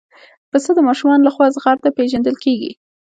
پسه د ماشومانو لخوا زغرده پېژندل کېږي.